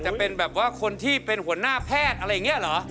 จะเป็นแบบว่าคนที่เป็นหัวหน้าแพทย์อะไรอย่างนี้เหรอ